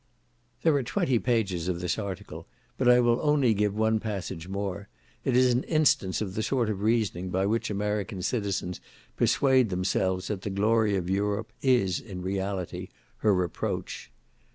There are twenty pages of this article, but I will only give one passage more; it is an instance of the sort of reasoning by which American citizens persuade themselves that the glory of Europe is, in reality, her reproach.